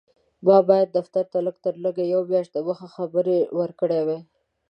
ما باید دفتر ته لږ تر لږه یوه میاشت دمخه خبر ورکړی وای.